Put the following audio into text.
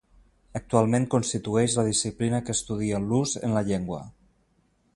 Actualment, constitueix la disciplina que estudia l'ús en la llengua.